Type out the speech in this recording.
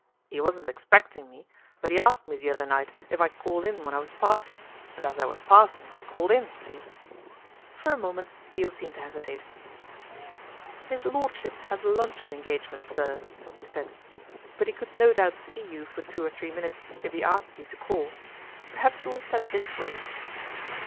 " 'E wasn't expecting me ; but 'e asked me the other night if I'd call in when I was passing, and as I was passing I called in, see ?" For a moment Peel seemed to hesitate. " His Lordship has a luncheon engagement, sir," he said ;" but he could no doubt see you for two or three minutes if he asked you to call. Perhaps you will step this way."